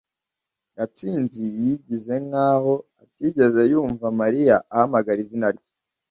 gatsinzi yigize nkaho atigeze yumva mariya ahamagara izina rye